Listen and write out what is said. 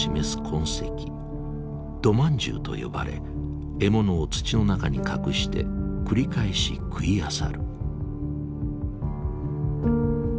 土まんじゅうと呼ばれ獲物を土の中に隠して繰り返し食いあさる。